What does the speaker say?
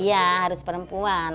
iya harus perempuan